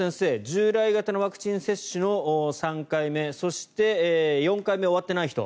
従来型のワクチン接種の３回目そして、４回目が終わってない人